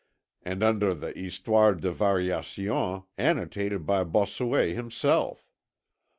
and under the Histoire des Variations, annotated by Bossuet himself!